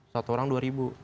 satu orang dua ribu